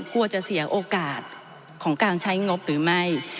กลัวจะเสียโอกาสของการใช้งบหรือไม่